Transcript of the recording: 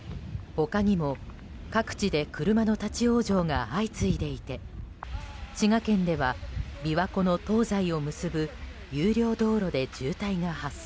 他にも、各地で車の立ち往生が相次いでいて滋賀県では琵琶湖の東西を結ぶ有料道路で渋滞が発生。